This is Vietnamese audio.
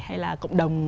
hay là cộng đồng